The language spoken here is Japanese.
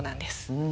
うん。